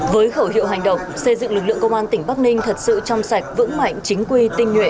với khẩu hiệu hành động xây dựng lực lượng công an tỉnh bắc ninh thật sự trong sạch vững mạnh chính quy tinh nguyện